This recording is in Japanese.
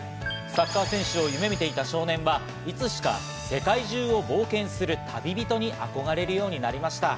サッカー選手を夢見ていた少年はいつしか世界中を冒険する旅人に憧れるようになりました。